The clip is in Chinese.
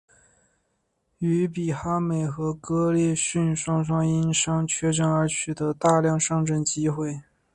于比哈美和哥利逊双双因伤缺阵而取得大量上阵机会。